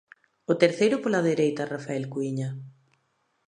O terceiro pola dereita, Rafael Cuíña.